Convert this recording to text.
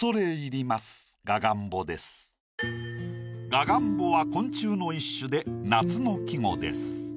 「ががんぼ」は昆虫の一種で夏の季語です。